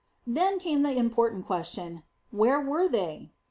Then came the important question Where were they?